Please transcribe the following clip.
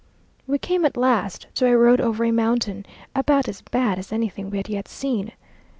We came at last to a road over a mountain, about as bad as anything we had yet seen.